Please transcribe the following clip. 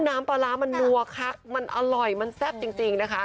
น้ำปลาร้ามันนัวคักมันอร่อยมันแซ่บจริงนะคะ